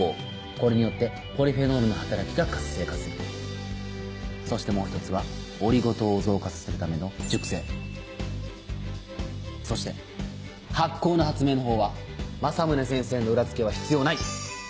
これによってポリフェノールの働きが活性化するそしてもう一つはオリゴ糖を増加させるための「熟成」そして「発酵」の発明の方は政宗先生の裏付けは必要ない！